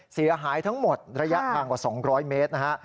เสียหายทั้งหมดระยะทางกว่า๒๐๐เมตรนะฮะ